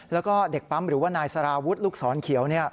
แล้วก็เด็กปั๊มหรือว่านายสารวุฒิลูกศรเขียว